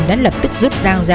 đã lập tức rút dao ra